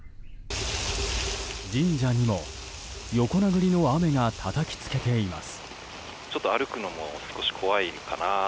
神社にも横殴りの雨がたたきつけています。